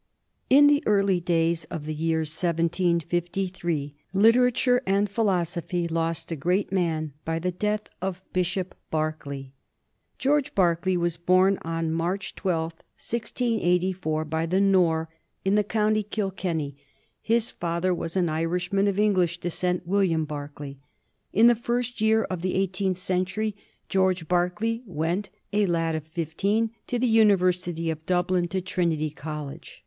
In the early days of the year 1753 literatare and phi losophy lost a great man by the death of Bishop Berkeley. George Berkeley was born on March 12, 1684, by the Nore, in the county Kilkenny. His father was an Irish^ man of English descent, William Berkeley. In the first year of the eighteenth century George Berkeley went, a lad of fifteen, to the University of Dublin, to Trinity Col lege.